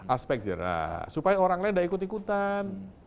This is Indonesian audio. aspek jerak supaya orang lain tidak ikut ikutan